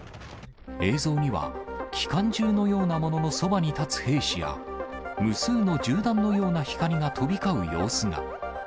映像には、機関銃のようなもののそばに立つ兵士や、無数の銃弾のような光が飛び交う様子が。